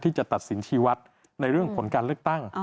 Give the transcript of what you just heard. จะตัดสินชีวัตรในเรื่องผลการเลือกตั้ง